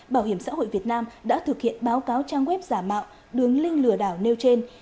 bảo hiểm xã hội việt nam đã thực hiện báo cáo trang web giả mạo đường linh lừa đảo nêu trên